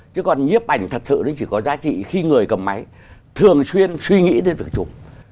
chứ còn nhiếp ảnh thật sự nó chỉ có giá trị khi người cầm máy thường xuyên suy nghĩ đến việc chụp